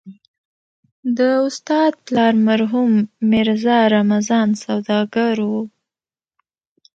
د استاد پلار مرحوم ميرزا رمضان سوداګر و.